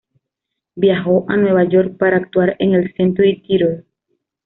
Viajó a Nueva York para actuar en el Century Theatre.